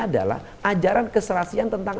adalah ajaran keselaksian tentang